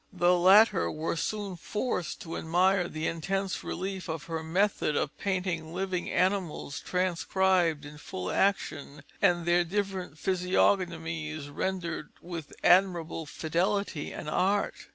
The latter were soon forced to admire the intense relief of her method of painting, living animals transcribed in full action, and their different physiognomies rendered with admirable fidelity and art.